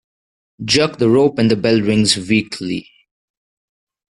Jerk the rope and the bell rings weakly.